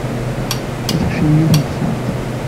Ad tekcem yiwet n texxamt.